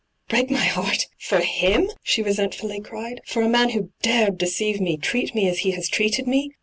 ' Break my heart — for him f she resentfully cried. ' For a man who dared deceive me, treat me as he has treated me